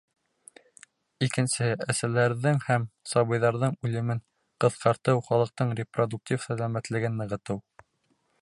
Икенсеһе — әсәләрҙең һәм сабыйҙарҙың үлемен ҡыҫҡартыу, халыҡтың репродуктив сәләмәтлеген нығытыу.